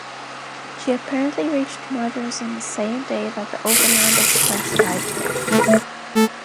She apparently reached Madras on the same day that the overland express arrived there.